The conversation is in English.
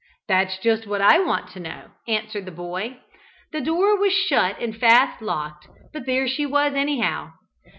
"That's just what I want to know," answered the boy. "The door was shut and fast locked; but there she was, anyhow.